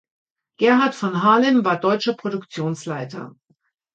Gerhard von Halem war deutscher Produktionsleiter.